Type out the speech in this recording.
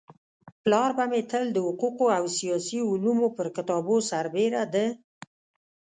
پلار به مي تل د حقوقو او سياسي علومو پر كتابو سربيره د